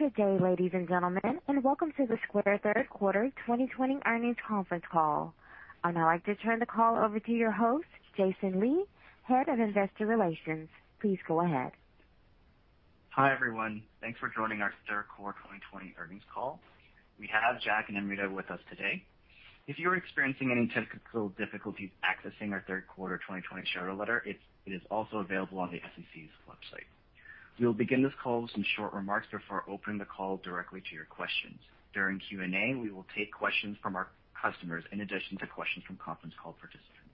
Good day, ladies and gentlemen, and welcome to the Square third quarter 2020 earnings conference call. I'd now like to turn the call over to your host, Jason Lee, Head of Investor Relations. Please go ahead. Hi, everyone. Thanks for joining our third quarter 2020 earnings call. We have Jack and Amrita with us today. If you're experiencing any technical difficulties accessing our third quarter 2020 shareholder letter, it is also available on the SEC's website. We will begin this call with some short remarks before opening the call directly to your questions. During Q&A, we will take questions from our customers in addition to questions from conference call participants.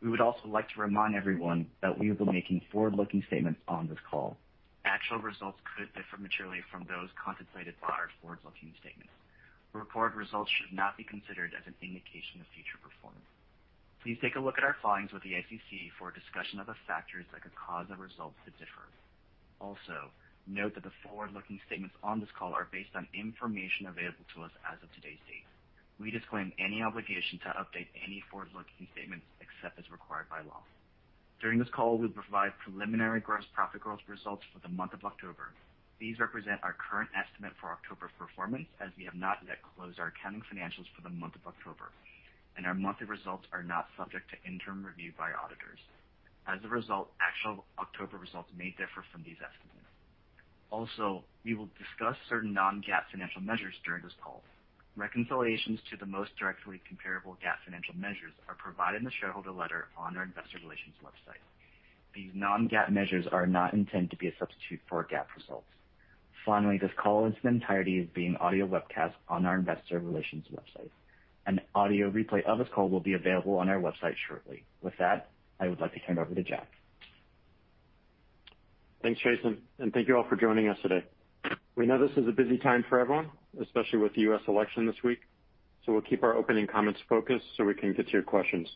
We would also like to remind everyone that we will be making forward-looking statements on this call. Actual results could differ materially from those contemplated by our forward-looking statements. Reported results should not be considered as an indication of future performance. Please take a look at our filings with the SEC for a discussion of the factors that could cause the results to differ. Also, note that the forward-looking statements on this call are based on information available to us as of today's date. We disclaim any obligation to update any forward-looking statements except as required by law. During this call, we'll provide preliminary gross profit growth results for the month of October. These represent our current estimate for October performance, as we have not yet closed our accounting financials for the month of October, and our monthly results are not subject to interim review by auditors. Also, we will discuss certain non-GAAP financial measures during this call. Reconciliations to the most directly comparable GAAP financial measures are provided in the shareholder letter on our investor relations website. These non-GAAP measures are not intended to be a substitute for our GAAP results. Finally, this call in its entirety is being audio webcast on our investor relations website. An audio replay of this call will be available on our website shortly. With that, I would like to hand over to Jack. Thanks, Jason, and thank you all for joining us today. We know this is a busy time for everyone, especially with the U.S. election this week, so we'll keep our opening comments focused so we can get to your questions.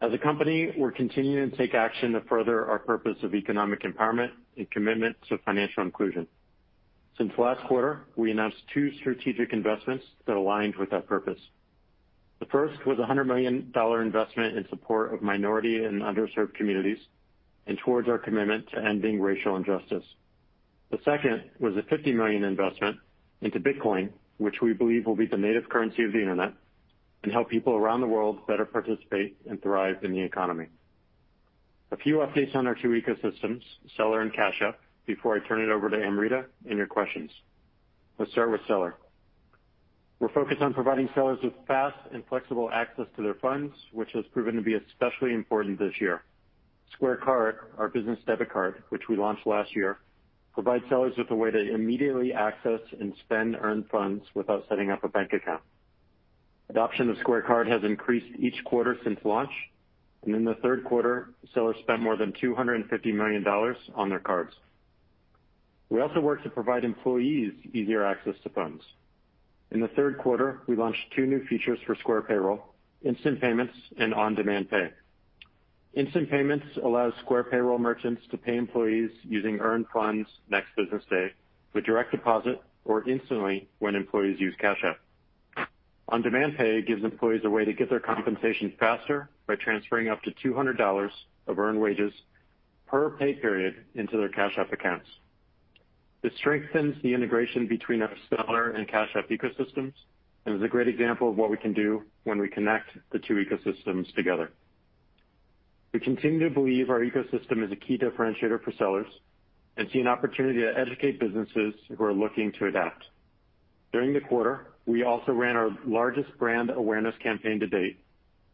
As a company, we're continuing to take action to further our purpose of economic empowerment and commitment to financial inclusion. Since last quarter, we announced two strategic investments that aligned with that purpose. The first was a $100 million investment in support of minority and underserved communities and towards our commitment to ending racial injustice. The second was a $50 million investment into Bitcoin, which we believe will be the native currency of the internet and help people around the world better participate and thrive in the economy. A few updates on our two ecosystems, Seller and Cash App, before I turn it over to Amrita and your questions. Let's start with Seller. We're focused on providing sellers with fast and flexible access to their funds, which has proven to be especially important this year. Square Card, our business debit card, which we launched last year, provides sellers with a way to immediately access and spend earned funds without setting up a bank account. Adoption of Square Card has increased each quarter since launch, and in the third quarter, sellers spent more than $250 million on their cards. We also work to provide employees easier access to funds. In the third quarter, we launched two new features for Square Payroll, Instant Payments and On-Demand Pay. Instant Payments allows Square Payroll merchants to pay employees using earned funds next business day with Direct Deposit or instantly when employees use Cash App. On-Demand Pay gives employees a way to get their compensation faster by transferring up to $200 of earned wages per pay period into their Cash App accounts. This strengthens the integration between our Seller and Cash App ecosystems and is a great example of what we can do when we connect the two ecosystems together. We continue to believe our ecosystem is a key differentiator for sellers and see an opportunity to educate businesses who are looking to adapt. During the quarter, we also ran our largest brand awareness campaign to date,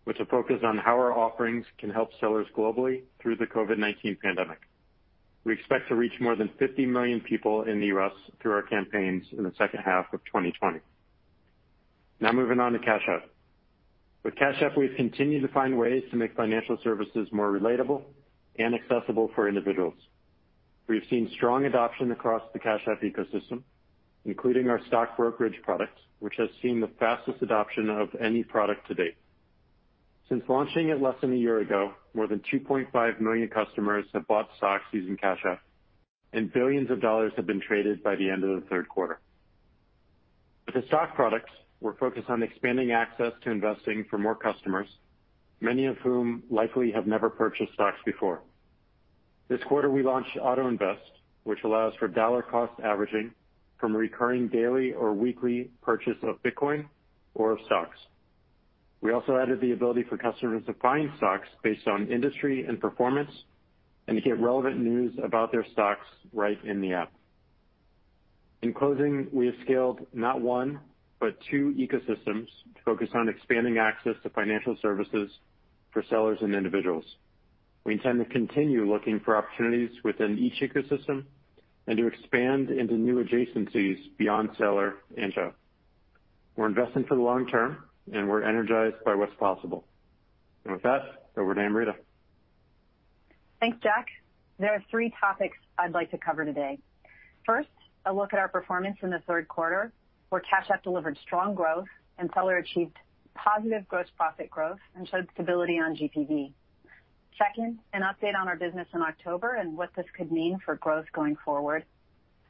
with a focus on how our offerings can help sellers globally through the COVID-19 pandemic. We expect to reach more than 50 million people in the U.S. through our campaigns in the second half of 2020. Now moving on to Cash App. With Cash App, we've continued to find ways to make financial services more relatable and accessible for individuals. We've seen strong adoption across the Cash App ecosystem, including our stock brokerage product, which has seen the fastest adoption of any product to date. Since launching it less than a year ago, more than 2.5 million customers have bought stocks using Cash App, and billions of dollars have been traded by the end of the third quarter. With the stock products, we're focused on expanding access to investing for more customers, many of whom likely have never purchased stocks before. This quarter, we launched Auto Invest, which allows for dollar cost averaging from a recurring daily or weekly purchase of Bitcoin or of stocks. We also added the ability for customers to find stocks based on industry and performance and to get relevant news about their stocks right in the app. In closing, we have scaled not one but two ecosystems to focus on expanding access to financial services for Seller and individuals. We intend to continue looking for opportunities within each ecosystem and to expand into new adjacencies beyond Seller and Shop. We're investing for the long term, and we're energized by what's possible. With that, over to Amrita. Thanks, Jack. There are three topics I'd like to cover today. First, a look at our performance in the third quarter, where Cash App delivered strong growth and Seller achieved positive gross profit growth and showed stability on GPV. Second, an update on our business in October and what this could mean for growth going forward.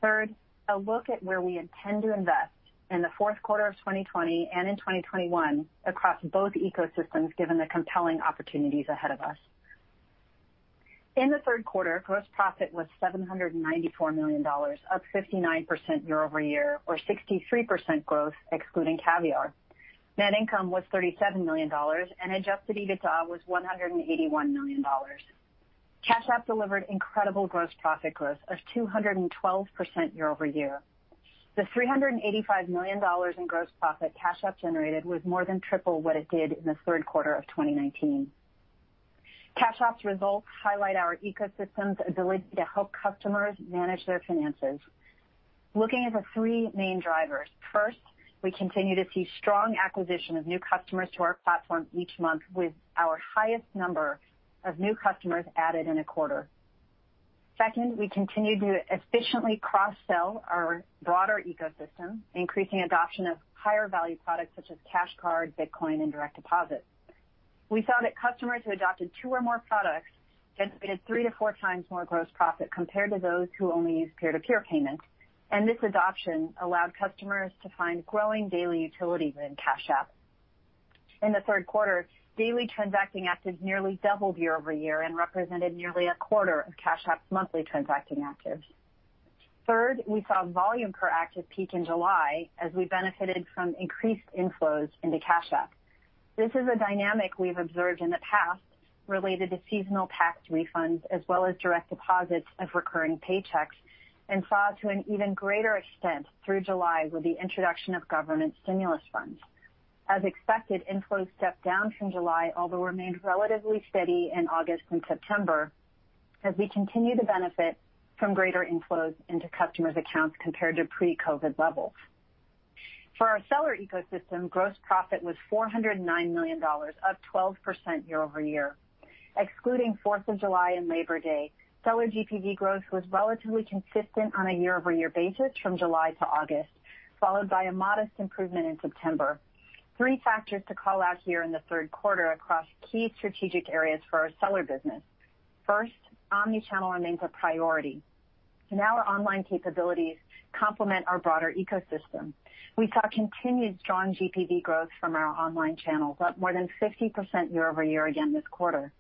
Third, a look at where we intend to invest in the fourth quarter of 2020 and in 2021 across both ecosystems, given the compelling opportunities ahead of us. In the third quarter, gross profit was $794 million, up 59% year-over-year or 63% growth excluding Caviar. Net income was $37 million, and adjusted EBITDA was $181 million. Cash App delivered incredible gross profit growth of 212% year-over-year. The $385 million in gross profit Cash App generated was more than triple what it did in the third quarter of 2019. Cash App's results highlight our ecosystem's ability to help customers manage their finances. Looking at the three main drivers. First, we continue to see strong acquisition of new customers to our platform each month with our highest number of new customers added in a quarter. Second, we continue to efficiently cross-sell our broader ecosystem, increasing adoption of higher-value products such as Cash Card, Bitcoin, and Direct Deposit. We saw that customers who adopted two or more products generated three to four times more gross profit compared to those who only use peer-to-peer payments, and this adoption allowed customers to find growing daily utility within Cash App. In the third quarter, daily transacting actives nearly doubled year-over-year and represented nearly a quarter of Cash App's monthly transacting actives. Third, we saw volume per active peak in July as we benefited from increased inflows into Cash App. This is a dynamic we've observed in the past related to seasonal tax refunds, as well as Direct Deposits of recurring paychecks, and saw to an even greater extent through July with the introduction of government stimulus funds. As expected, inflows stepped down from July, although remained relatively steady in August and September as we continue to benefit from greater inflows into customers' accounts compared to pre-COVID-19 levels. For our Seller ecosystem, gross profit was $409 million, up 12% year-over-year. Excluding 4th of July and Labor Day, Seller GPV growth was relatively consistent on a year-over-year basis from July to August, followed by a modest improvement in September. Three factors to call out here in the third quarter across key strategic areas for our Seller business. First, omni-channel remains a priority. Now our online capabilities complement our broader ecosystem. We saw continued strong GPV growth from our online channels, up more than 50% year-over-year again this quarter.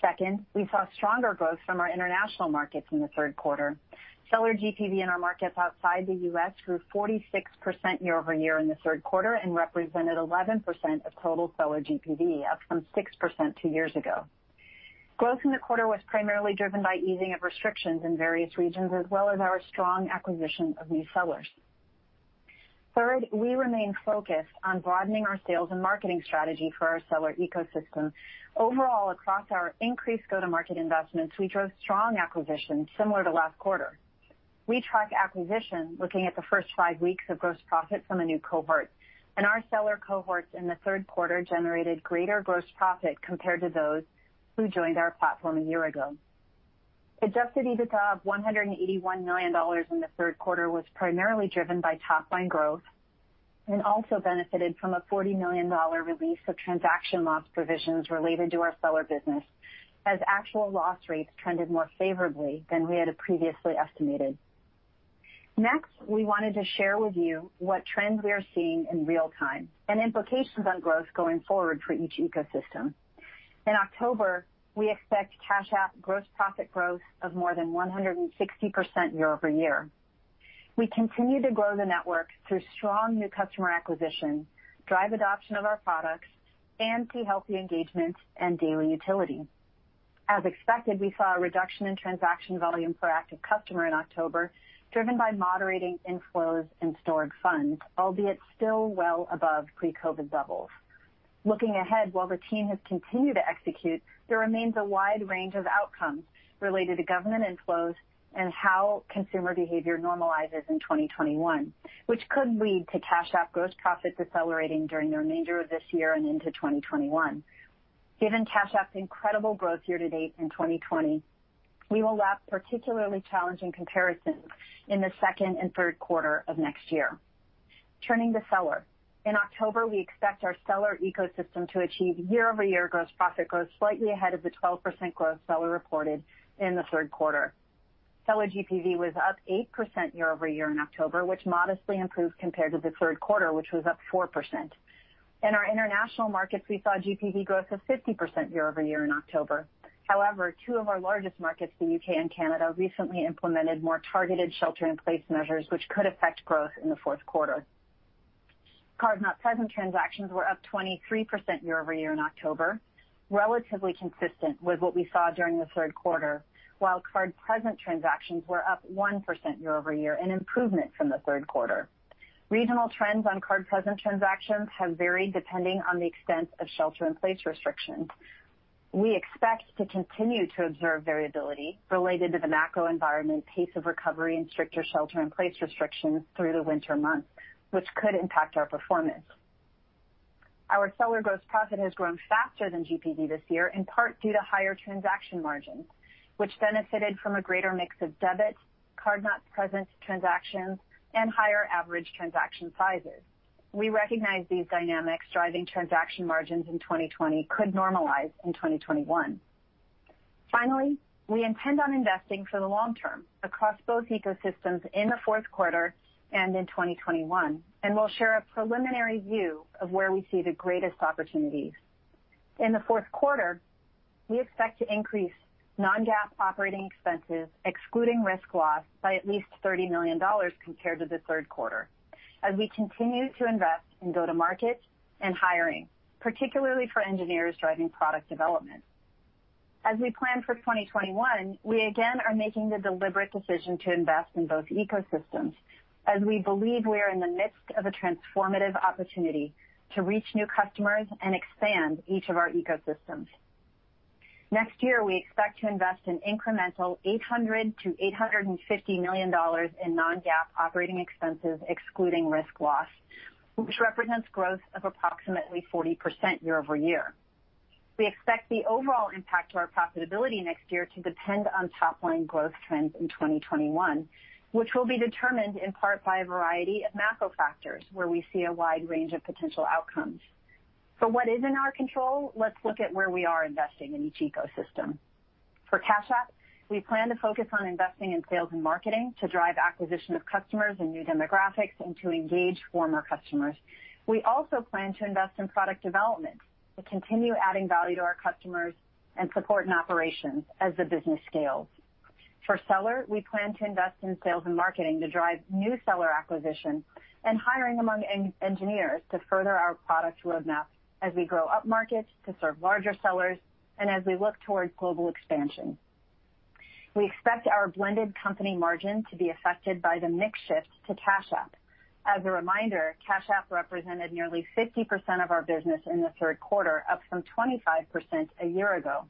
Second, we saw stronger growth from our international markets in the third quarter. Seller GPV in our markets outside the U.S. grew 46% year-over-year in the third quarter and represented 11% of total Seller GPV, up from 6% two years ago. Growth in the quarter was primarily driven by easing of restrictions in various regions, as well as our strong acquisition of new Sellers. Third, we remain focused on broadening our sales and marketing strategy for our Seller ecosystem. Overall, across our increased go-to-market investments, we drove strong acquisition similar to last quarter. We track acquisition looking at the first five weeks of gross profit from a new cohort, and our Seller cohorts in the third quarter generated greater gross profit compared to those who joined our platform a year ago. Adjusted EBITDA of $181 million in the third quarter was primarily driven by top-line growth and also benefited from a $40 million release of transaction loss provisions related to our Seller business, as actual loss rates trended more favorably than we had previously estimated. Next, we wanted to share with you what trends we are seeing in real time and implications on growth going forward for each ecosystem. In October, we expect Cash App gross profit growth of more than 160% year-over-year. We continue to grow the network through strong new customer acquisition, drive adoption of our products, and see healthy engagement and daily utility. As expected, we saw a reduction in transaction volume per active customer in October, driven by moderating inflows and stored funds, albeit still well above pre-COVID levels. Looking ahead, while the team has continued to execute, there remains a wide range of outcomes related to government inflows and how consumer behavior normalizes in 2021, which could lead to Cash App gross profit decelerating during the remainder of this year and into 2021. Given Cash App's incredible growth year-to-date in 2020, we will lap particularly challenging comparisons in the second and third quarter of next year. Turning to Seller. In October, we expect our Seller ecosystem to achieve year-over-year gross profit growth slightly ahead of the 12% growth Seller reported in the third quarter. Seller GPV was up 8% year-over-year in October, which modestly improved compared to the third quarter, which was up 4%. In our international markets, we saw GPV growth of 50% year-over-year in October. However, two of our largest markets, the U.K. and Canada, recently implemented more targeted shelter-in-place measures which could affect growth in the fourth quarter. Card-not-present transactions were up 23% year-over-year in October, relatively consistent with what we saw during the third quarter, while card-present transactions were up 1% year-over-year, an improvement from the third quarter. Regional trends on card-present transactions have varied depending on the extent of shelter-in-place restrictions. We expect to continue to observe variability related to the macro environment, pace of recovery, and stricter shelter-in-place restrictions through the winter months, which could impact our performance. Our Seller gross profit has grown faster than GPV this year, in part due to higher transaction margins, which benefited from a greater mix of debit, card-not-present transactions, and higher average transaction sizes. We recognize these dynamics driving transaction margins in 2020 could normalize in 2021. We intend on investing for the long term across both ecosystems in the fourth quarter and in 2021, and we'll share a preliminary view of where we see the greatest opportunities. In the fourth quarter, we expect to increase non-GAAP operating expenses, excluding risk loss, by at least $30 million compared to the third quarter. As we continue to invest in go-to-market and hiring, particularly for engineers driving product development. As we plan for 2021, we again are making the deliberate decision to invest in both ecosystems as we believe we are in the midst of a transformative opportunity to reach new customers and expand each of our ecosystems. Next year, we expect to invest an incremental $800 million-$850 million in non-GAAP operating expenses excluding risk loss, which represents growth of approximately 40% year-over-year. We expect the overall impact to our profitability next year to depend on top-line growth trends in 2021, which will be determined in part by a variety of macro factors, where we see a wide range of potential outcomes. For what is in our control, let's look at where we are investing in each ecosystem. For Cash App, we plan to focus on investing in sales and marketing to drive acquisition of customers and new demographics and to engage former customers. We also plan to invest in product development to continue adding value to our customers and support in operations as the business scales. For Seller, we plan to invest in sales and marketing to drive new Seller acquisition and hiring among engineers to further our product roadmap as we grow up markets to serve larger Sellers and as we look towards global expansion. We expect our blended company margin to be affected by the mix shift to Cash App. As a reminder, Cash App represented nearly 50% of our business in the third quarter, up from 25% a year ago.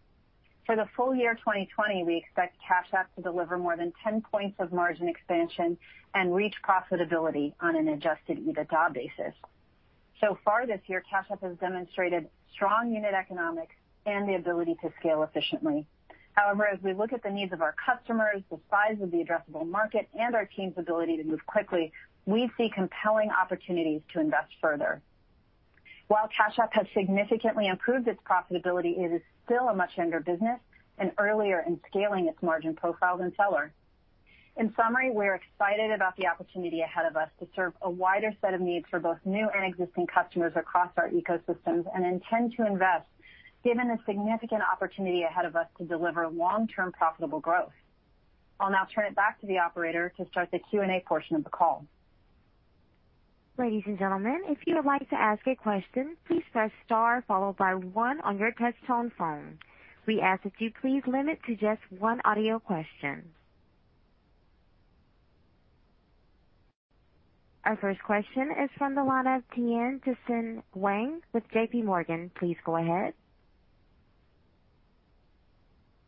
For the full year 2020, we expect Cash App to deliver more than 10 points of margin expansion and reach profitability on an adjusted EBITDA basis. Far this year, Cash App has demonstrated strong unit economics and the ability to scale efficiently. However, as we look at the needs of our customers, the size of the addressable market, and our team's ability to move quickly, we see compelling opportunities to invest further. While Cash App has significantly improved its profitability, it is still a much younger business and earlier in scaling its margin profile than Seller. In summary, we are excited about the opportunity ahead of us to serve a wider set of needs for both new and existing customers across our ecosystems and intend to invest given the significant opportunity ahead of us to deliver long-term profitable growth. I'll now turn it back to the operator to start the Q&A portion of the call. Ladies and gentlemen, if you would like to ask a question, please press star followed by one on your touchtone phone. We ask that you please limit to just one audio question. Our first question is from the line of Tien-Tsin Huang with JPMorgan. Please go ahead.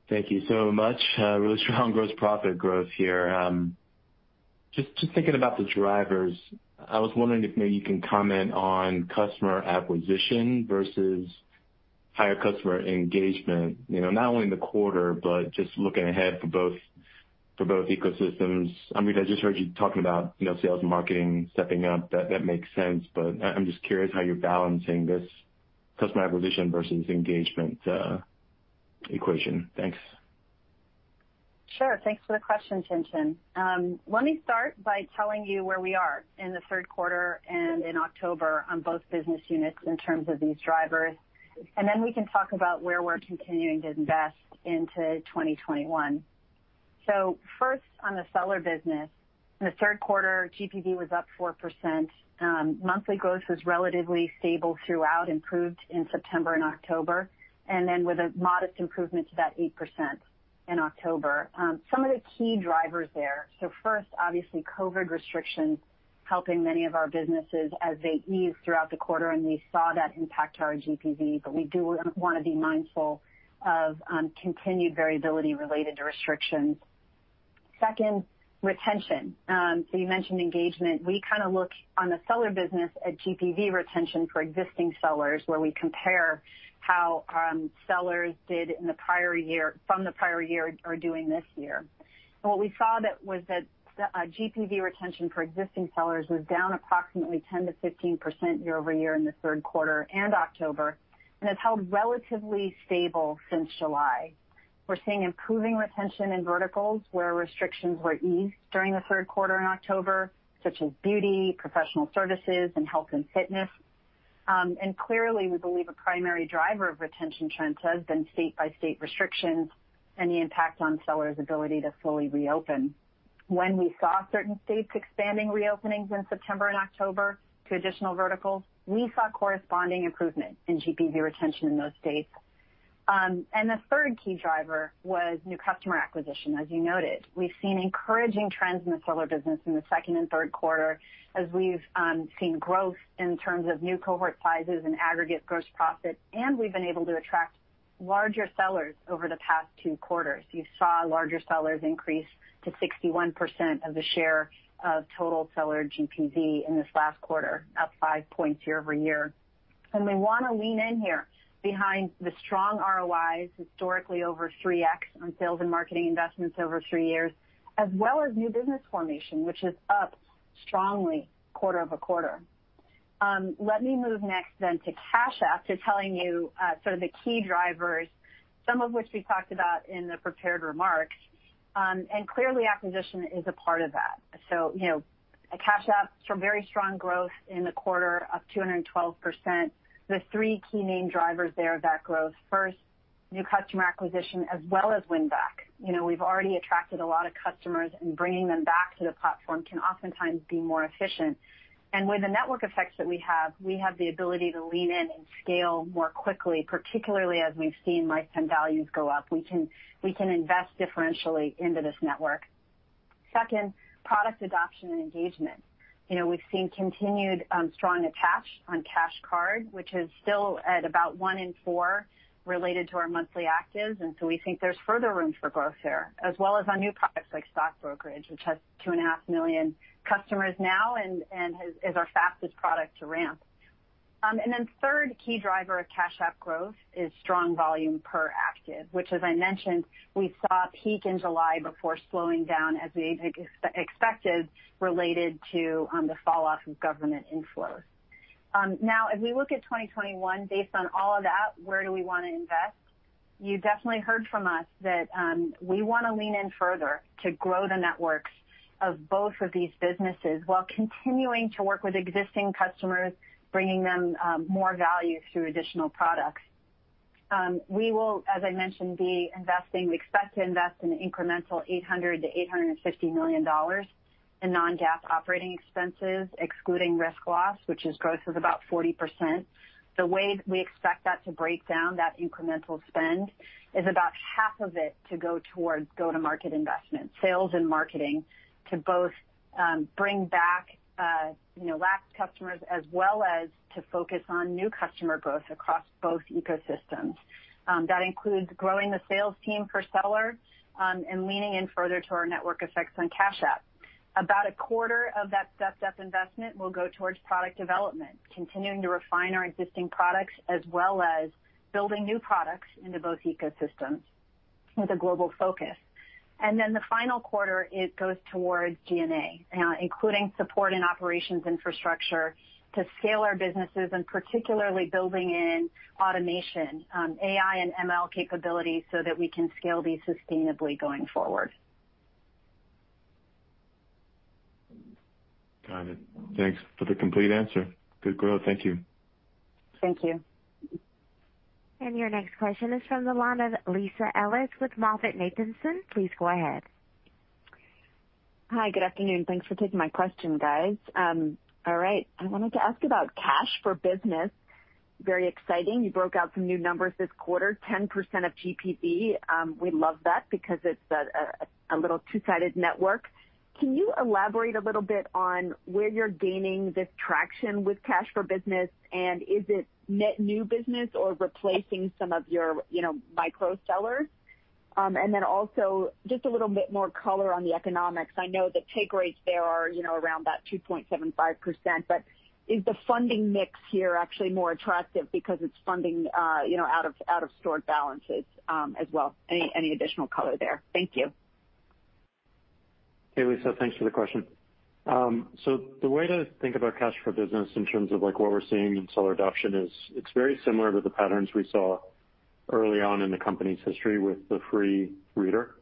Thank you so much. Really strong gross profit growth here. Just thinking about the drivers, I was wondering if maybe you can comment on customer acquisition versus higher customer engagement. Not only in the quarter, but just looking ahead for both ecosystems. I mean, I just heard you talking about sales and marketing stepping up. That makes sense, but I'm just curious how you're balancing this customer acquisition versus engagement equation. Thanks. Sure. Thanks for the question, Tien-Tsin. Let me start by telling you where we are in the third quarter and in October on both business units in terms of these drivers, then we can talk about where we're continuing to invest into 2021. First, on the Seller business. In the third quarter, GPV was up 4%. Monthly growth was relatively stable throughout, improved in September and October, then with a modest improvement to about 8% in October. Some of the key drivers there. First, obviously, COVID restrictions helping many of our businesses as they eased throughout the quarter, and we saw that impact our GPV, but we do want to be mindful of continued variability related to restrictions. Second, retention. You mentioned engagement. We kind of look on the Seller business at GPV retention for existing sellers where we compare how sellers did from the prior year are doing this year. What we saw was that GPV retention for existing sellers was down approximately 10%-15% year-over-year in the third quarter and October, and has held relatively stable since July. We're seeing improving retention in verticals where restrictions were eased during the third quarter in October, such as beauty, professional services, and health and fitness. Clearly, we believe a primary driver of retention trends has been state-by-state restrictions and the impact on sellers' ability to fully reopen. When we saw certain states expanding reopenings in September and October to additional verticals, we saw corresponding improvement in GPV retention in those states. The third key driver was new customer acquisition, as you noted. We've seen encouraging trends in the Seller business in the second and third quarter as we've seen growth in terms of new cohort sizes and aggregate gross profit, and we've been able to attract larger sellers over the past two quarters. You saw larger sellers increase to 61% of the share of total Seller GPV in this last quarter, up five points year-over-year. We want to lean in here behind the strong ROIs, historically over 3x on sales and marketing investments over three years, as well as new business formation, which is up strongly quarter-over-quarter. Let me move next then to Cash App, to telling you the key drivers, some of which we talked about in the prepared remarks. Clearly, acquisition is a part of that. Cash App saw very strong growth in the quarter, up 212%. There are three key name drivers there of that growth. First, new customer acquisition, as well as win-back. We've already attracted a lot of customers, and bringing them back to the platform can oftentimes be more efficient. With the network effects that we have, we have the ability to lean in and scale more quickly, particularly as we've seen lifetime values go up. We can invest differentially into this network. Second, product adoption and engagement. We've seen continued strong attach on Cash Card, which is still at about one in four related to our monthly actives, and so we think there's further room for growth there. Our new products like stock brokerage, which has 2.5 million customers now and is our fastest product to ramp. Third key driver of Cash App growth is strong volume per active, which as I mentioned, we saw peak in July before slowing down as we expected, related to the falloff of government inflows. As we look at 2021, based on all of that, where do we want to invest? You definitely heard from us that we want to lean in further to grow the networks of both of these businesses while continuing to work with existing customers, bringing them more value through additional products. We will, as I mentioned, expect to invest an incremental $800 million-$850 million in non-GAAP operating expenses, excluding risk loss, which is growth of about 40%. The way we expect that to break down, that incremental spend, is about half of it to go towards go-to-market investment, sales and marketing, to both bring back lapsed customers as well as to focus on new customer growth across both ecosystems. That includes growing the sales team for Sellers and leaning in further to our network effects on Cash App. About a quarter of that stepped-up investment will go towards product development, continuing to refine our existing products as well as building new products into both ecosystems with a global focus. The final quarter, it goes towards G&A, including support and operations infrastructure to scale our businesses, and particularly building in automation, AI and ML capabilities so that we can scale these sustainably going forward. Got it. Thanks for the complete answer. Good growth. Thank you. Thank you. Your next question is from the line of Lisa Ellis with MoffettNathanson. Please go ahead. Hi. Good afternoon. Thanks for taking my question, guys. All right. I wanted to ask about Cash App for Business. Very exciting. You broke out some new numbers this quarter, 10% of GPV. We love that because it's a little two-sided network. Can you elaborate a little bit on where you're gaining this traction with Cash App for Business? Is it net new business or replacing some of your micro sellers? Also just a little bit more color on the economics. I know the take rates there are around that 2.75%, but is the funding mix here actually more attractive because it's funding out of stored balances as well? Any additional color there? Thank you. Hey, Lisa. Thanks for the question. The way to think about Cash App for Business in terms of what we're seeing in Seller adoption is, it's very similar to the patterns we saw early on in the company's history with the free reader.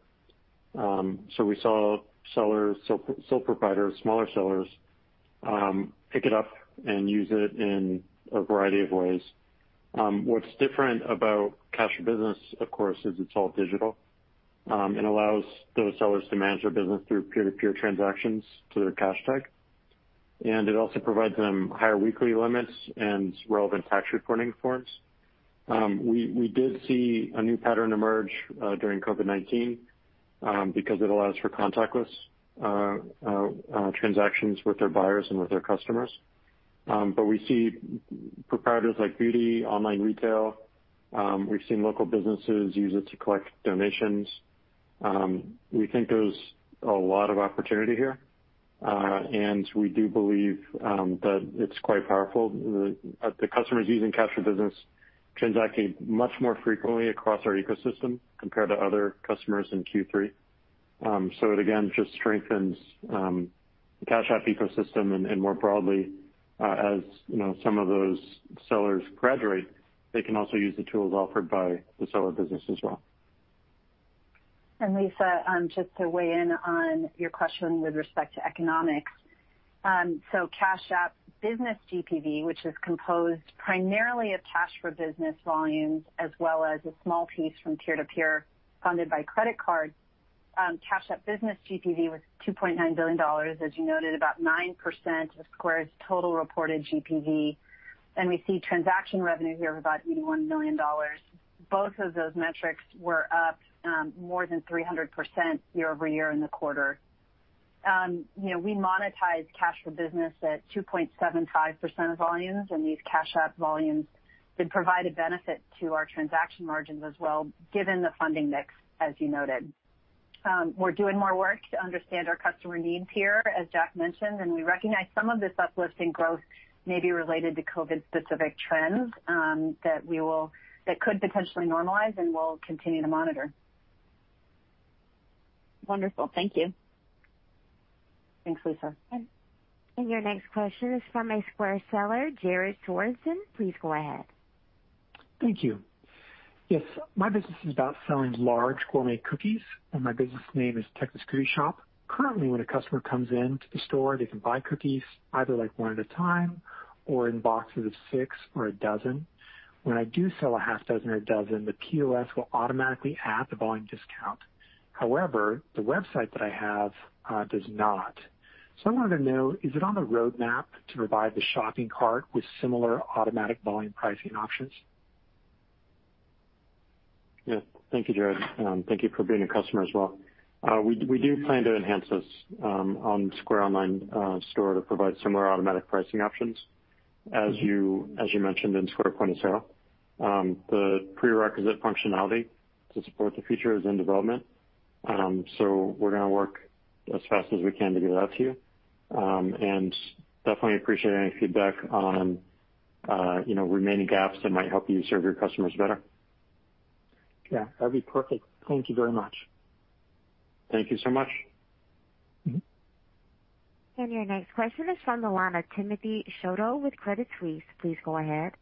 What's different about Cash App for Business, of course, is it's all digital. It allows those Sellers to manage their business through peer-to-peer transactions to their Cashtag, and it also provides them higher weekly limits and relevant tax reporting forms. We did see a new pattern emerge during COVID-19 because it allows for contactless transactions with their buyers and with their customers. We see proprietors like beauty, online retail. We've seen local businesses use it to collect donations. We think there's a lot of opportunity here, and we do believe that it's quite powerful. The customers using Cash App for Business transacting much more frequently across our ecosystem compared to other customers in Q3. It again just strengthens the Cash App ecosystem and more broadly as some of those sellers graduate, they can also use the tools offered by the Seller business as well. Lisa, just to weigh in on your question with respect to economics. Cash App business GPV, which is composed primarily of Cash App for Business volumes as well as a small piece from peer-to-peer funded by credit card. Cash App business GPV was $2.9 billion, as you noted, about 9% of Square's total reported GPV. We see transaction revenue here of about $81 million. Both of those metrics were up more than 300% year-over-year in the quarter. We monetize Cash App for Business at 2.75% of volumes, and these Cash App volumes did provide a benefit to our transaction margins as well, given the funding mix, as you noted. We're doing more work to understand our customer needs here, as Jack mentioned, and we recognize some of this uplift in growth may be related to COVID-specific trends that could potentially normalize, and we'll continue to monitor. Wonderful. Thank you. Thanks, Lisa. Okay. Your next question is from a Square seller, Jared Torreston. Please go ahead. Thank you. Yes, my business is about selling large gourmet cookies, and my business name is Texas Cookie Shop. Currently, when a customer comes into the store, they can buy cookies either one at a time or in boxes of six or a dozen. When I do sell a half dozen or a dozen, the POS will automatically add the volume discount. However, the website that I have does not. I wanted to know, is it on the roadmap to provide the shopping cart with similar automatic volume pricing options? Yeah. Thank you, Jared. Thank you for being a customer as well. We do plan to enhance this on Square Online to provide similar automatic pricing options as you mentioned in Square Point of Sale. The prerequisite functionality to support the feature is in development. We're going to work as fast as we can to get it out to you. Definitely appreciate any feedback on remaining gaps that might help you serve your customers better. Yeah, that'd be perfect. Thank you very much. Thank you so much. Your next question is from the line of Timothy Chiodo with Credit Suisse. Please go ahead.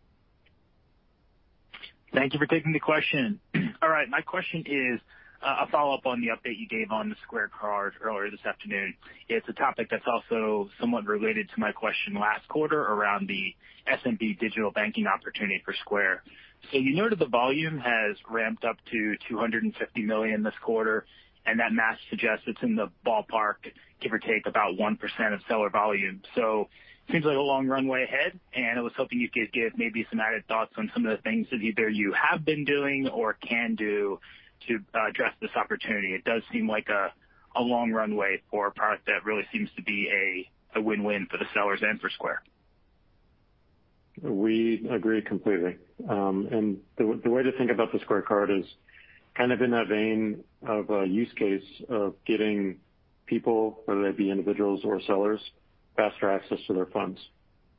Thank you for taking the question. All right. My question is a follow-up on the update you gave on the Square Card earlier this afternoon. It's a topic that's also somewhat related to my question last quarter around the SMB digital banking opportunity for Square. You noted the volume has ramped up to $250 million this quarter, and that math suggests it's in the ballpark, give or take, about 1% of Seller volume. Seems like a long runway ahead, and I was hoping you could give maybe some added thoughts on some of the things that either you have been doing or can do to address this opportunity. It does seem like a long runway for a product that really seems to be a win-win for the Sellers and for Square. We agree completely. The way to think about the Square Card is kind of in that vein of a use case of getting people, whether they be individuals or sellers, faster access to their funds.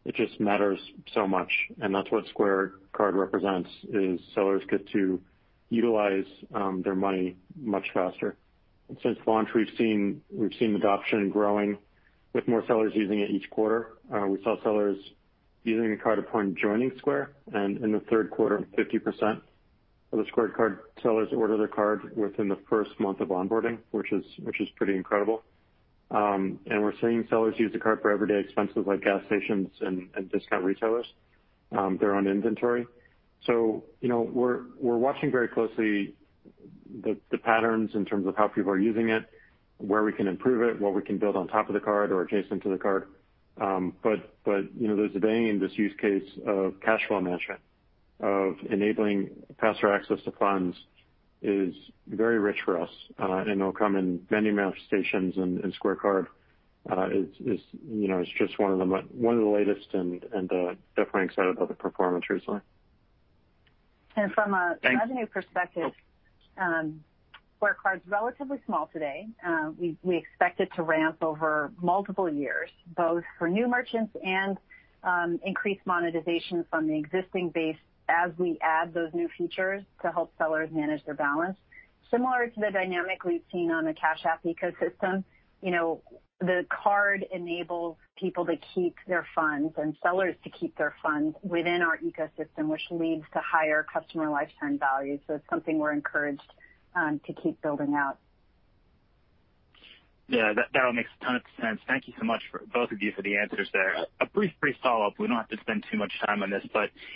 It just matters so much, and that's what Square Card represents, is sellers get to utilize their money much faster. Since launch, we've seen adoption growing with more sellers using it each quarter. We saw sellers using the card upon joining Square, and in the third quarter, 50% of the Square Card sellers order their card within the first month of onboarding, which is pretty incredible. We're seeing sellers use the card for everyday expenses like gas stations and discount retailers. They're on inventory. We're watching very closely the patterns in terms of how people are using it, where we can improve it, what we can build on top of the card or adjacent to the card. There's a vein in this use case of cash flow management, of enabling faster access to funds is very rich for us, and it'll come in many manifestations, and Square Card is just one of the latest and definitely excited about the performance recently. From a revenue perspective, Square Card's relatively small today. We expect it to ramp over multiple years, both for new merchants and increased monetization from the existing base as we add those new features to help sellers manage their balance. Similar to the dynamic we've seen on the Cash App ecosystem, the card enables people to keep their funds and sellers to keep their funds within our ecosystem, which leads to higher customer lifetime value. It's something we're encouraged to keep building out. Yeah, that all makes a ton of sense. Thank you so much, both of you, for the answers there. A brief follow-up. We don't have to spend too much time on this.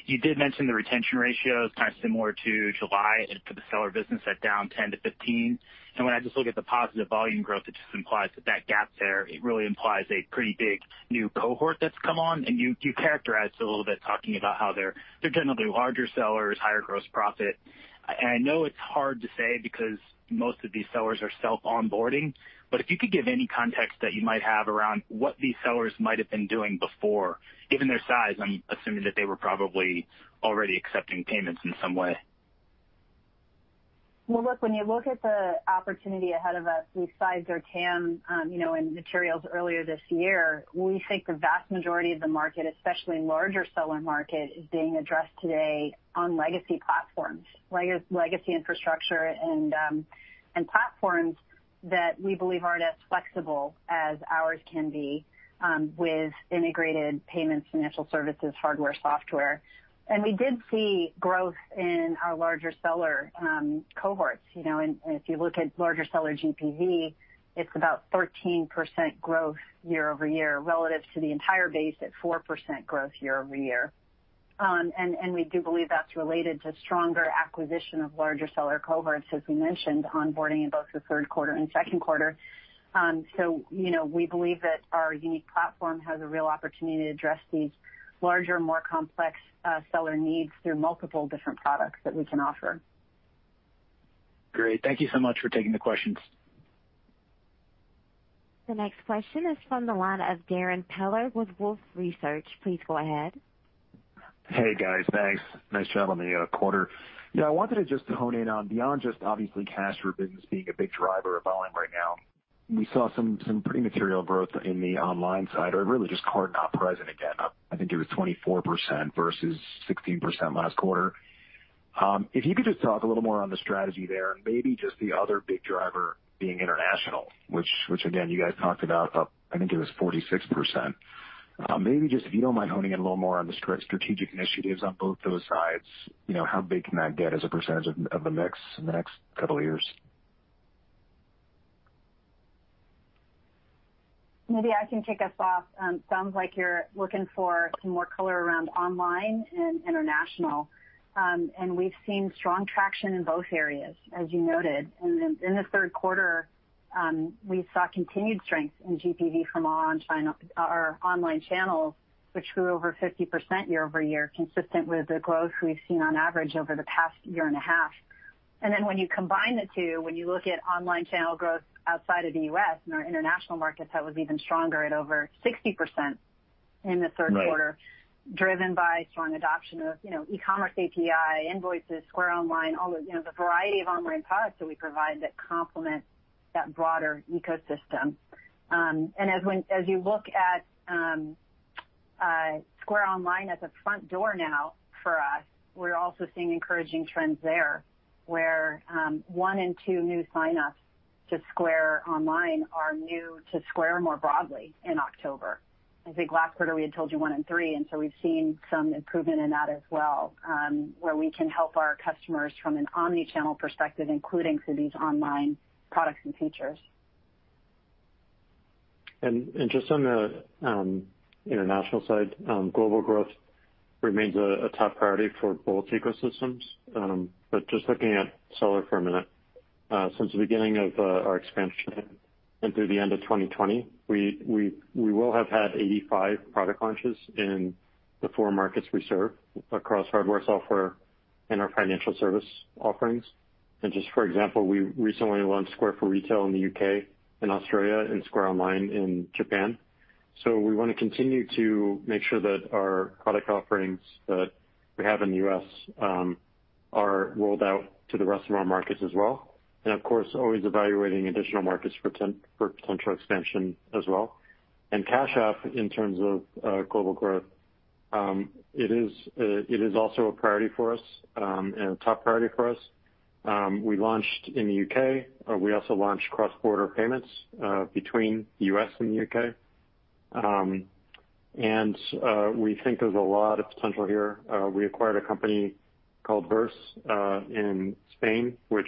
You did mention the retention ratio is kind of similar to July, and for the Seller business, that down 10%-15%. When I just look at the positive volume growth, it just implies that gap there, it really implies a pretty big new cohort that's come on. You characterized a little bit talking about how they're generally larger Sellers, higher gross profit. I know it's hard to say because most of these Sellers are self-onboarding. If you could give any context that you might have around what these Sellers might've been doing before. Given their size, I'm assuming that they were probably already accepting payments in some way. Look, when you look at the opportunity ahead of us, we sized our TAM in materials earlier this year. We think the vast majority of the market, especially in larger Seller market, is being addressed today on legacy platforms, legacy infrastructure, and platforms that we believe aren't as flexible as ours can be with integrated payments, financial services, hardware, software. We did see growth in our larger Seller cohorts. If you look at larger Seller GPV, it's about 13% growth year-over-year relative to the entire base at 4% growth year-over-year. We do believe that's related to stronger acquisition of larger Seller cohorts, as we mentioned, onboarding in both the third quarter and second quarter. We believe that our unique platform has a real opportunity to address these larger, more complex Seller needs through multiple different products that we can offer. Great. Thank you so much for taking the questions. The next question is from the line of Darrin Peller with Wolfe Research. Please go ahead. Hey, guys. Thanks. Nice job on the quarter. I wanted to just hone in on beyond just obviously Cash App business being a big driver of volume right now. We saw some pretty material growth in the online side, or really just card-not-present again. I think it was 24% versus 16% last quarter. If you could just talk a little more on the strategy there, and maybe just the other big driver being international, which again, you guys talked about, I think it was 46%. Maybe just if you don't mind honing in a little more on the strategic initiatives on both those sides, how big can that get as a percentage of the mix in the next couple of years? Maybe I can kick us off. Sounds like you're looking for some more color around online and international. We've seen strong traction in both areas, as you noted. In the third quarter, we saw continued strength in GPV from our online channels, which grew over 50% year-over-year, consistent with the growth we've seen on average over the past year and a half. When you combine the two, when you look at online channel growth outside of the U.S., in our international markets, that was even stronger at over 60% in the third quarter. Right. Driven by strong adoption of eCommerce API, Invoices, Square Online, all the variety of online products that we provide that complement that broader ecosystem. As you look at Square Online as a front door now for us, we're also seeing encouraging trends there, where one in two new sign-ups to Square Online are new to Square more broadly in October. I think last quarter we had told you one in three. So we've seen some improvement in that as well, where we can help our customers from an omni-channel perspective, including through these online products and features. Just on the international side, global growth remains a top priority for both ecosystems. Just looking at Seller for a minute. Since the beginning of our expansion and through the end of 2020, we will have had 85 product launches in the four markets we serve across hardware, software, and our financial service offerings. Just for example, we recently launched Square for Retail in the U.K. and Australia, and Square Online in Japan. We want to continue to make sure that our product offerings that we have in the U.S. are rolled out to the rest of our markets as well. Of course, always evaluating additional markets for potential expansion as well. Cash App in terms of global growth, it is also a priority for us, and a top priority for us. We launched in the U.K. We also launched cross-border payments between the U.S. and the U.K. We think there's a lot of potential here. We acquired a company called Verse in Spain, which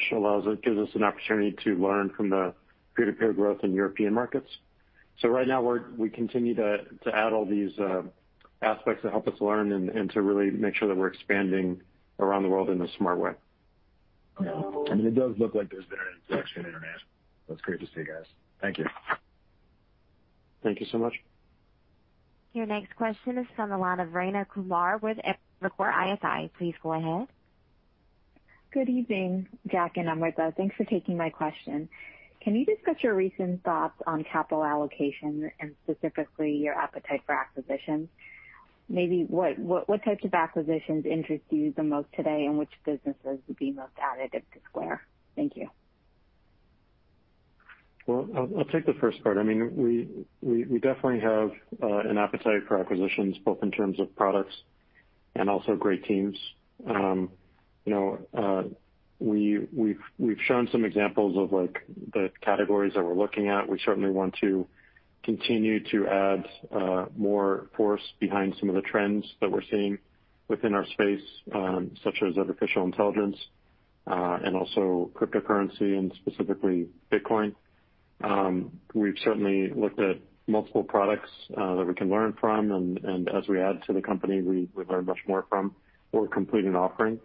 gives us an opportunity to learn from the peer-to-peer growth in European markets. Right now, we continue to add all these aspects that help us learn and to really make sure that we're expanding around the world in a smart way. Yeah. It does look like there's been a section enhanced, that's great to see, guys. Thank you. Thank you so much. Your next question is from the line of Rayna Kumar with Evercore ISI. Please go ahead. Good evening, Jack and Amrita. Thanks for taking my question. Can you discuss your recent thoughts on capital allocation and specifically your appetite for acquisitions? Maybe what types of acquisitions interest you the most today, and which businesses would be most additive to Square? Thank you. Well, I'll take the first part. We definitely have an appetite for acquisitions, both in terms of products and also great teams. We've shown some examples of the categories that we're looking at. We certainly want to continue to add more force behind some of the trends that we're seeing within our space, such as artificial intelligence, and also cryptocurrency, and specifically Bitcoin. We've certainly looked at multiple products that we can learn from, and as we add to the company, we learn much more from or complete an offering.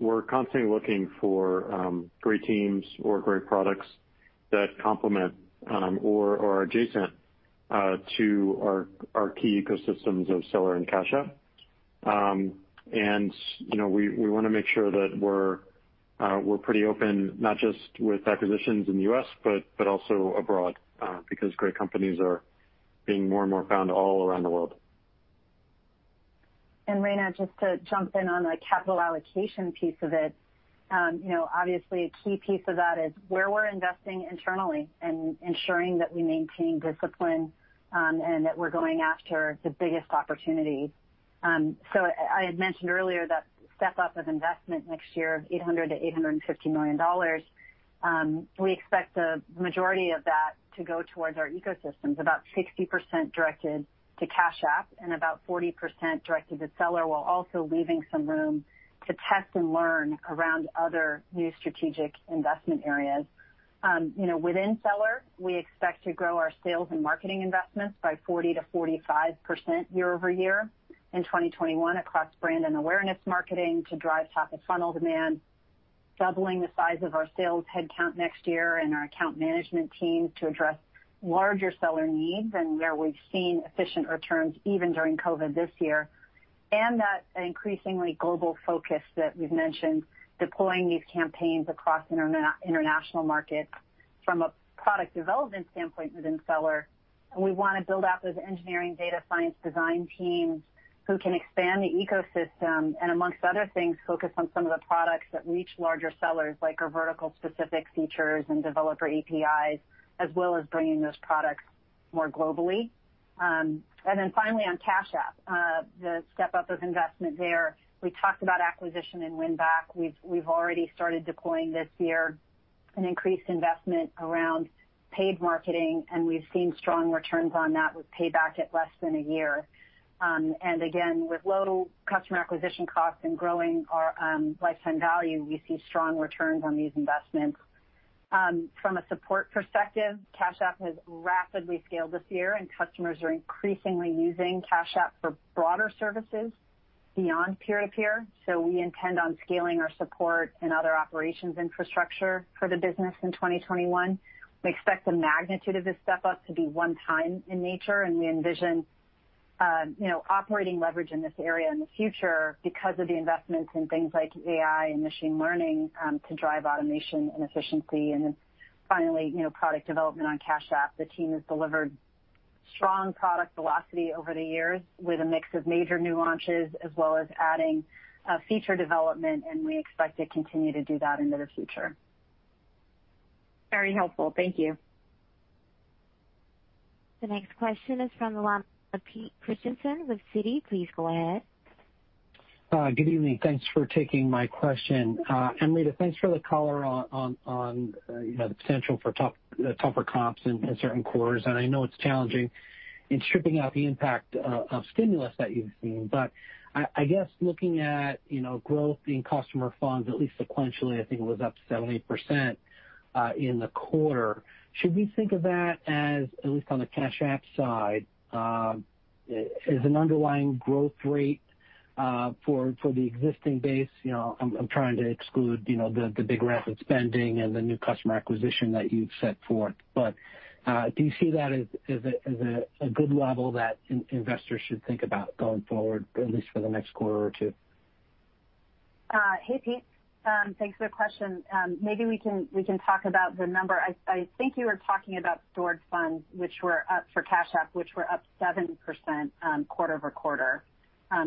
We're constantly looking for great teams or great products that complement or are adjacent to our key ecosystems of Seller and Cash App. We want to make sure that we're pretty open, not just with acquisitions in the U.S., but also abroad, because great companies are being more and more found all around the world. Rayna, just to jump in on the capital allocation piece of it. Obviously, a key piece of that is where we're investing internally and ensuring that we maintain discipline, and that we're going after the biggest opportunity. I had mentioned earlier that step up of investment next year of $800 million-$850 million. We expect the majority of that to go towards our ecosystems, about 60% directed to Cash App and about 40% directed to Seller, while also leaving some room to test and learn around other new strategic investment areas. Within Seller, we expect to grow our sales and marketing investments by 40%-45% year-over-year in 2021 across brand and awareness marketing to drive top-of-funnel demand, doubling the size of our sales headcount next year and our account management team to address larger seller needs and where we've seen efficient returns even during COVID this year. That increasingly global focus that we've mentioned, deploying these campaigns across international markets. From a product development standpoint within Seller, we want to build out those engineering data science design teams who can expand the ecosystem and amongst other things, focus on some of the products that reach larger sellers, like our vertical specific features and developer APIs, as well as bringing those products more globally. Finally, on Cash App, the step-up of investment there. We talked about acquisition and win-back. We've already started deploying this year an increased investment around paid marketing, and we've seen strong returns on that with payback at less than a year. Again, with low customer acquisition costs and growing our lifetime value, we see strong returns on these investments. From a support perspective, Cash App has rapidly scaled this year, and customers are increasingly using Cash App for broader services beyond peer-to-peer. We intend on scaling our support and other operations infrastructure for the business in 2021. We expect the magnitude of this step up to be one-time in nature, and we envision operating leverage in this area in the future because of the investments in things like AI and machine learning, to drive automation and efficiency. Finally, product development on Cash App. The team has delivered strong product velocity over the years with a mix of major new launches, as well as adding feature development, and we expect to continue to do that into the future. Very helpful. Thank you. The next question is from the line of Peter Christiansen with Citi. Please go ahead. Good evening. Thanks for taking my question. Amrita, thanks for the color on the potential for the tougher comps in certain quarters. I know it's challenging in stripping out the impact of stimulus that you've seen. I guess looking at growth in customer funds, at least sequentially, I think it was up to 70% in the quarter. Should we think of that as, at least on the Cash App side, as an underlying growth rate for the existing base? I'm trying to exclude the big rapid spending and the new customer acquisition that you've set forth. Do you see that as a good level that investors should think about going forward, at least for the next quarter or two? Hey, Pete. Thanks for the question. Maybe we can talk about the number. I think you were talking about stored funds for Cash App, which were up 70% quarter-over-quarter.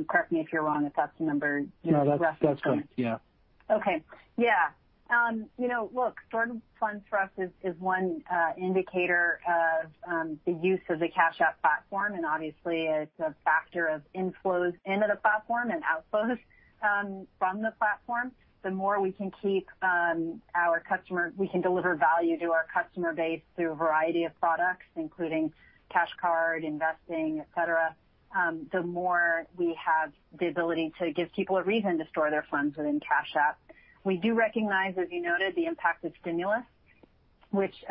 Correct me if you're wrong if that's the number you're referencing. No, that's correct. Yeah. Okay. Yeah. Look, stored funds for us is one indicator of the use of the Cash App platform, and obviously it's a factor of inflows into the platform and outflows from the platform. The more we can deliver value to our customer base through a variety of products, including Cash Card, investing, et cetera, the more we have the ability to give people a reason to store their funds within Cash App. We do recognize, as you noted, the impact of stimulus, which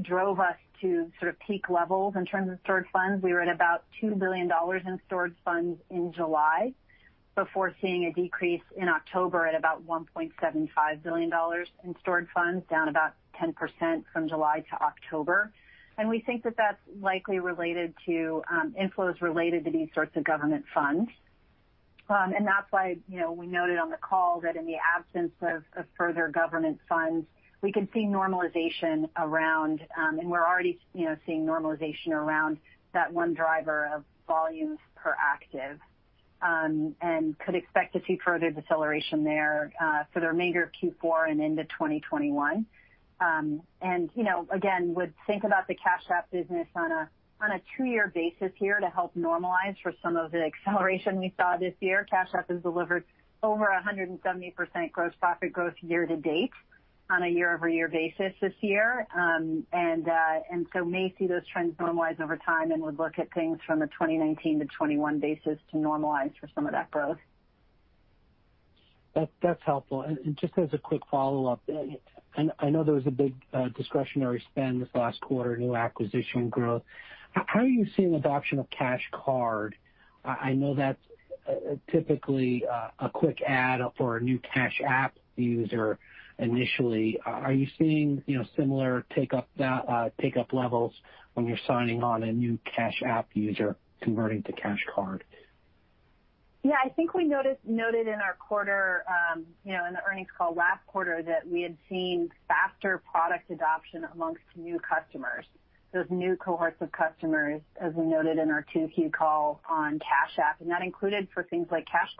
drove us to sort of peak levels in terms of stored funds. We were at about $2 billion in stored funds in July before seeing a decrease in October at about $1.75 billion in stored funds, down about 10% from July to October. We think that that's likely related to inflows related to these sorts of government funds. That's why we noted on the call that in the absence of further government funds, we could see normalization around, and we're already seeing normalization around that one driver of volumes per active, and could expect to see further deceleration there for the remainder of Q4 and into 2021. Again, would think about the Cash App business on a two-year basis here to help normalize for some of the acceleration we saw this year. Cash App has delivered over 170% gross profit growth year-to-date on a year-over-year basis this year. So may see those trends normalize over time and would look at things from a 2019 to 2021 basis to normalize for some of that growth. That's helpful. Just as a quick follow-up, I know there was a big discretionary spend this last quarter, new acquisition growth. How are you seeing adoption of Cash Card? I know that's typically a quick add for a new Cash App user initially. Are you seeing similar take-up levels when you're signing on a new Cash App user converting to Cash Card? I think we noted in our quarter, in the earnings call last quarter that we had seen faster product adoption amongst new customers, those new cohorts of customers, as we noted in our 2Q call on Cash App. That included for things like Cash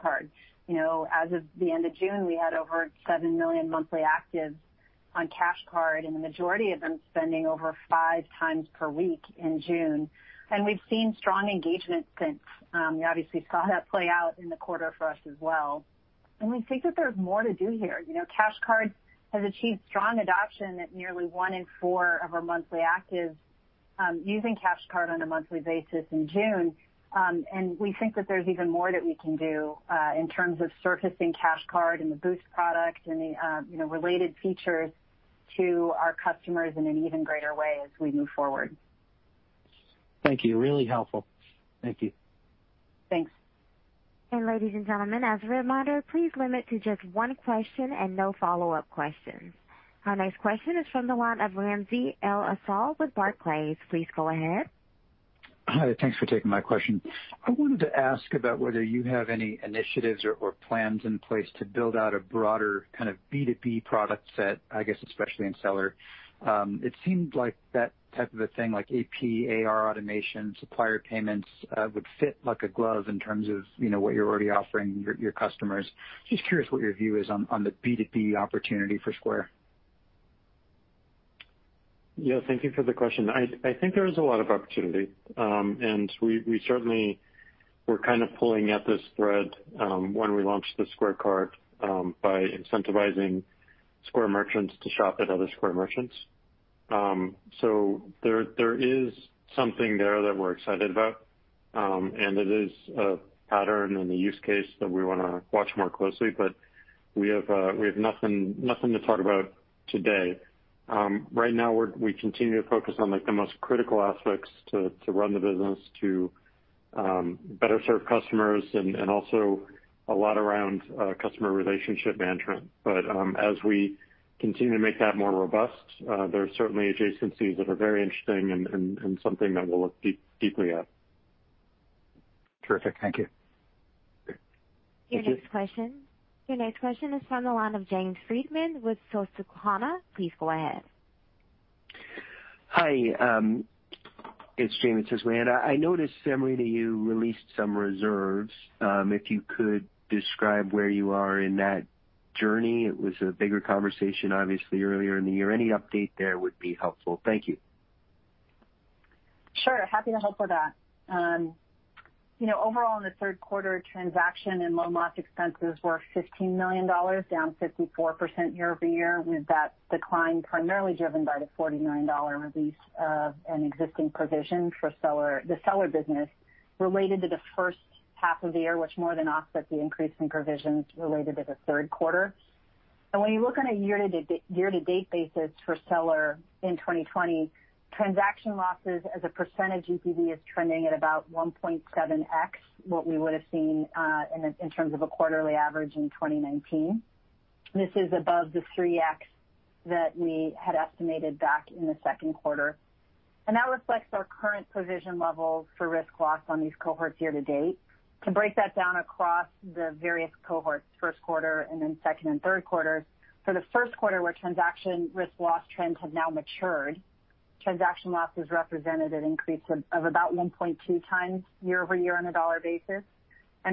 Card. As of the end of June, we had over 7 million monthly actives on Cash Card, and the majority of them spending over five times per week in June. We've seen strong engagement since. We obviously saw that play out in the quarter for us as well. We think that there's more to do here. Cash Card has achieved strong adoption at nearly one in four of our monthly actives, using Cash Card on a monthly basis in June. We think that there's even more that we can do, in terms of surfacing Cash Card and the Boost product and the related features to our customers in an even greater way as we move forward. Thank you. Really helpful. Thank you. Thanks. Ladies and gentlemen, as a reminder, please limit to just one question and no follow-up questions. Our next question is from the line of Ramsey El-Assal with Barclays. Please go ahead. Hi. Thanks for taking my question. I wanted to ask about whether you have any initiatives or plans in place to build out a broader kind of B2B product set, I guess especially in Seller. It seemed like that type of a thing, like AP, AR automation, supplier payments, would fit like a glove in terms of what you're already offering your customers. Just curious what your view is on the B2B opportunity for Square. Yeah, thank you for the question. I think there is a lot of opportunity. We certainly were kind of pulling at this thread when we launched the Square Card by incentivizing Square merchants to shop at other Square merchants. There is something there that we're excited about. It is a pattern in the use case that we want to watch more closely. We have nothing to talk about today. Right now, we continue to focus on the most critical aspects to run the business to better serve customers and also a lot around customer relationship management. As we continue to make that more robust, there are certainly adjacencies that are very interesting and something that we'll look deeply at. Terrific. Thank you. Great. Your next question is from the line of James Friedman with Susquehanna. Please go ahead. Hi. It's Jamie with Susquehanna. I noticed, Amrita, you released some reserves. If you could describe where you are in that journey. It was a bigger conversation, obviously, earlier in the year. Any update there would be helpful. Thank you. Sure. Happy to help with that. Overall in the third quarter, transaction and loan loss expenses were $15 million, down 54% year-over-year, with that decline primarily driven by the $49 million release of an existing provision for the Seller business related to the first half of the year, which more than offsets the increase in provisions related to the third quarter. When you look on a year-to-date basis for Seller in 2020, transaction losses as a percentage GPV is trending at about 1.7x what we would've seen in terms of a quarterly average in 2019. This is above the 3x that we had estimated back in the second quarter. That reflects our current provision levels for risk loss on these cohorts year to date. To break that down across the various cohorts, first quarter and then second and third quarters. For the first quarter where transaction risk loss trends have now matured, transaction losses represented an increase of about 1.2x year-over-year on a dollar basis.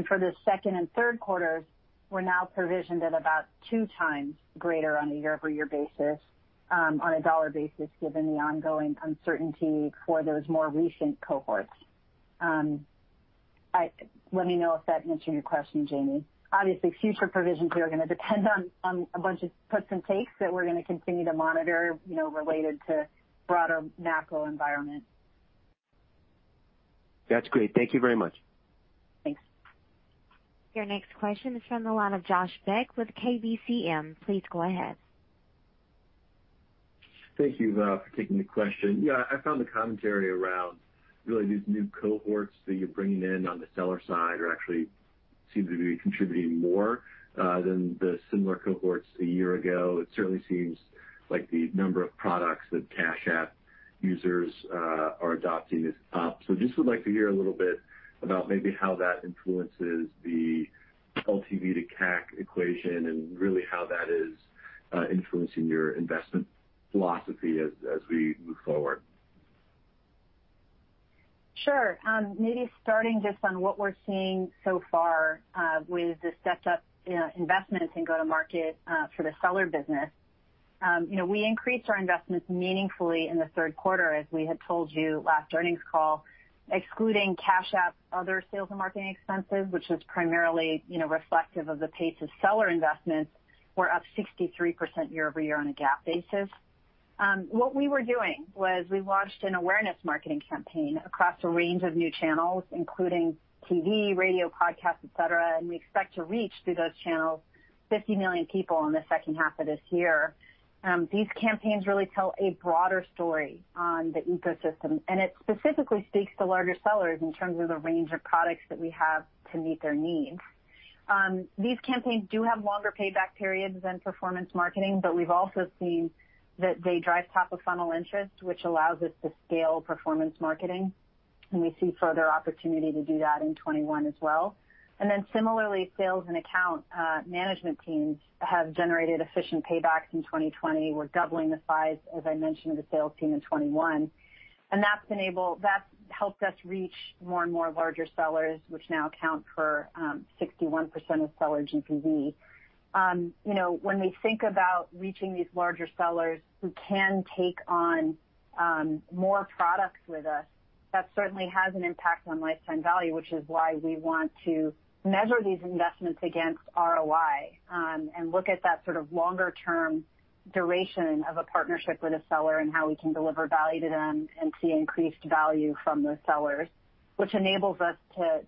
For the second and third quarters, we're now provisioned at about two times greater on a year-over-year basis on a dollar basis given the ongoing uncertainty for those more recent cohorts. Let me know if that answered your question, Jamie. Obviously, future provisions here are going to depend on a bunch of puts and takes that we're going to continue to monitor related to broader macro environment. That's great. Thank you very much. Thanks. Your next question is from the line of Josh Beck with KBCM. Please go ahead. Thank you for taking the question. Yeah, I found the commentary around really these new cohorts that you're bringing in on the Seller side are actually seem to be contributing more than the similar cohorts a year ago. It certainly seems like the number of products that Cash App users are adopting is up. Just would like to hear a little bit about maybe how that influences the LTV to CAC equation and really how that is influencing your investment philosophy as we move forward. Sure. Maybe starting just on what we're seeing so far with the stepped-up investments in go-to-market for the Seller business. We increased our investments meaningfully in the third quarter, as we had told you last earnings call. Excluding Cash App, other sales and marketing expenses, which is primarily reflective of the pace of Seller investments, were up 63% year-over-year on a GAAP basis. What we were doing was we launched an awareness marketing campaign across a range of new channels, including TV, radio, podcast, et cetera, and we expect to reach through those channels 50 million people in the second half of this year. These campaigns really tell a broader story on the ecosystem. It specifically speaks to larger sellers in terms of the range of products that we have to meet their needs. These campaigns do have longer payback periods than performance marketing, but we've also seen that they drive top-of-funnel interest, which allows us to scale performance marketing. We see further opportunity to do that in 2021 as well. Similarly, sales and account management teams have generated efficient paybacks in 2020. We're doubling the size, as I mentioned, of the sales team in 2021. That's helped us reach more and more larger sellers, which now account for 61% of seller GPV. When we think about reaching these larger Sellers who can take on more products with us, that certainly has an impact on lifetime value, which is why we want to measure these investments against ROI, and look at that sort of longer-term duration of a partnership with a Seller and how we can deliver value to them and see increased value from those Sellers, which enables us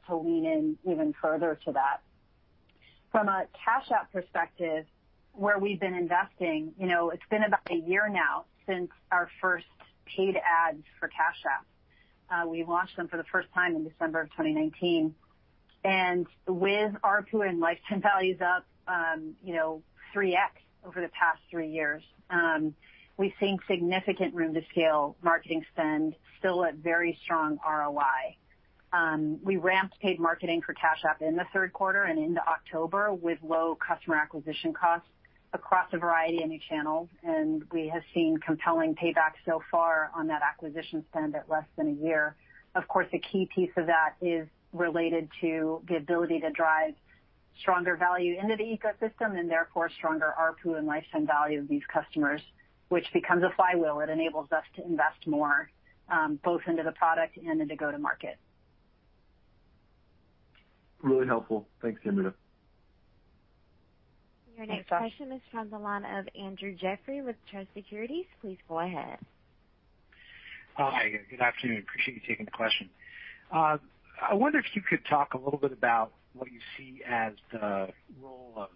to lean in even further to that. From a Cash App perspective, where we've been investing, it's been about a year now since our first paid ads for Cash App. We launched them for the first time in December of 2019. With ARPU and lifetime values up 3x over the past three years, we've seen significant room to scale marketing spend still at very strong ROI. We ramped paid marketing for Cash App in the third quarter and into October with low customer acquisition costs across a variety of new channels, and we have seen compelling payback so far on that acquisition spend at less than a year. Of course, a key piece of that is related to the ability to drive stronger value into the ecosystem, and therefore stronger ARPU and lifetime value of these customers, which becomes a flywheel. It enables us to invest more, both into the product and in the go-to-market. Really helpful. Thanks, Amrita. Your next question is from the line of Andrew Jeffrey with Truist Securities. Please go ahead. Hi, good afternoon. Appreciate you taking the question. I wonder if you could talk a little bit about what you see as the role of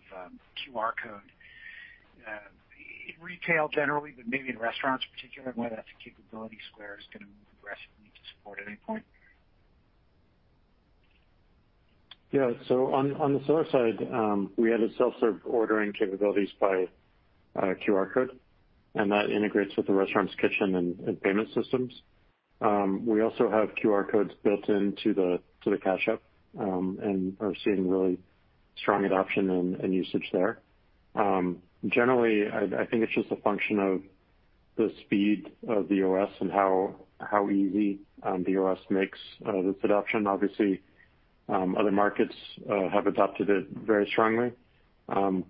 QR code in retail generally, but maybe in restaurants particularly, and whether that's a capability Square is going to move aggressively to support at any point? On the Seller side, we added self-serve ordering capabilities by QR code, and that integrates with the restaurant's kitchen and payment systems. We also have QR codes built into the Cash App, and are seeing really strong adoption and usage there. I think it's just a function of the speed of the OS and how easy the OS makes this adoption. Obviously, other markets have adopted it very strongly.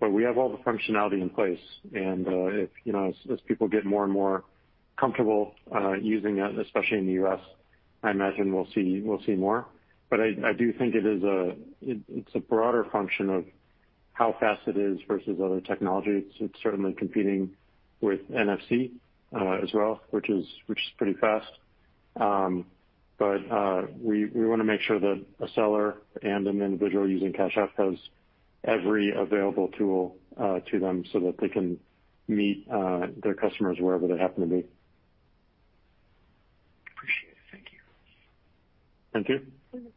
We have all the functionality in place and as people get more and more comfortable using it, especially in the U.S., I imagine we'll see more. I do think it's a broader function of how fast it is versus other technologies. It's certainly competing with NFC as well, which is pretty fast. We want to make sure that a Seller and an individual using Cash App has every available tool to them so that they can meet their customers wherever they happen to be. Appreciate it. Thank you.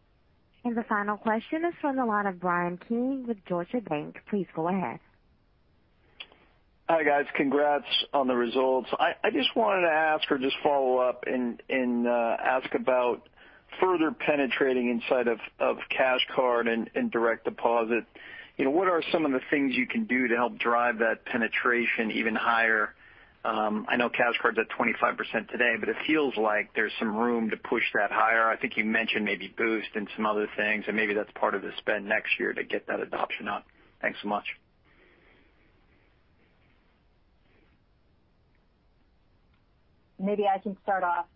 Thank you. The final question is from the line of Bryan Keane with Deutsche Bank. Please go ahead. Hi, guys. Congrats on the results. I just wanted to ask or just follow up and ask about further penetrating inside of Cash Card and Direct Deposit. What are some of the things you can do to help drive that penetration even higher? I know Cash Card's at 25% today, it feels like there's some room to push that higher. I think you mentioned maybe Boost and some other things, maybe that's part of the spend next year to get that adoption up. Thanks so much. Maybe I can start off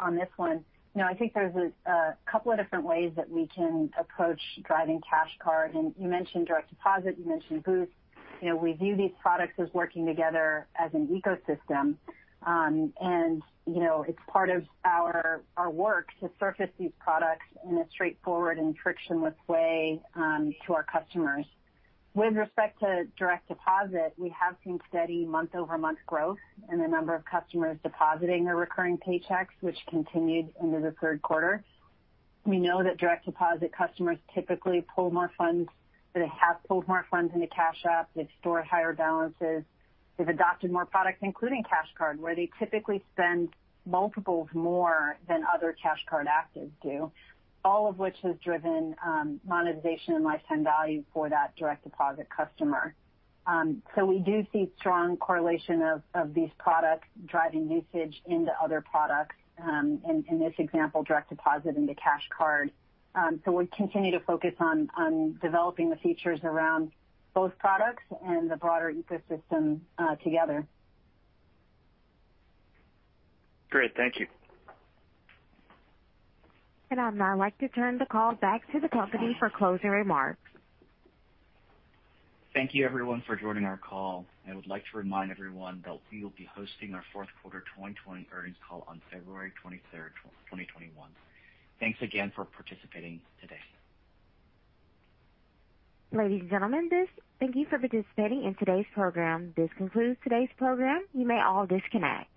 on this one. I think there's a couple of different ways that we can approach driving Cash Card. You mentioned Direct Deposit, you mentioned Boost. We view these products as working together as an ecosystem. It's part of our work to surface these products in a straightforward and frictionless way to our customers. With respect to Direct Deposit, we have seen steady month-over-month growth in the number of customers depositing their recurring paychecks, which continued into the third quarter. We know that Direct Deposit customers typically pull more funds. They have pulled more funds into Cash App. They've stored higher balances. They've adopted more products, including Cash Card, where they typically spend multiples more than other Cash Card actives do, all of which has driven monetization and lifetime value for that Direct Deposit customer. We do see strong correlation of these products driving usage into other products, in this example, Direct Deposit into Cash Card. We continue to focus on developing the features around both products and the broader ecosystem together. Great. Thank you. I'd now like to turn the call back to the company for closing remarks. Thank you everyone for joining our call. I would like to remind everyone that we will be hosting our fourth quarter 2020 earnings call on February 23rd, 2021. Thanks again for participating today. Ladies and gentlemen, thank you for participating in today's program. This concludes today's program. You may all disconnect.